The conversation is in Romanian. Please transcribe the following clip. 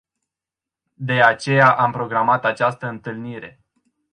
De aceea am programat această întâlnire.